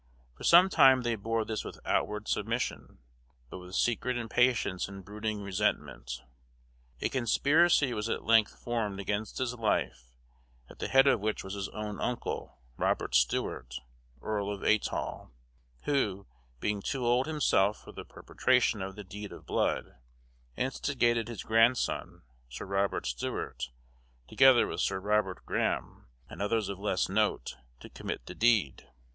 For some time they bore this with outward submission, but with secret impatience and brooding resentment. A conspiracy was at length formed against his life, at the head of which was his own uncle, Robert Stewart, Earl of Athol, who, being too old himself for the perpetration of the deed of blood, instigated his grandson, Sir Robert Stewart, together with Sir Robert Graham, and others of less note, to commit the deed.